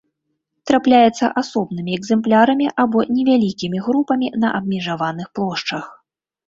Трапляецца асобнымі экземплярамі або невялікімі групамі на абмежаваных плошчах.